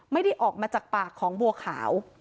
ไม่ได้ออกมาจากปากของบัวขาว